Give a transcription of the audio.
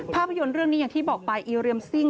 ภาพยนตร์เรื่องนี้อย่างที่บอกไปอีเรียมซิ่ง